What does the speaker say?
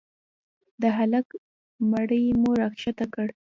د هلك مړى مو راکښته کړ.